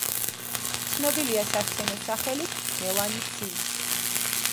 ცნობილია სასცენო სახელით მელანი სი.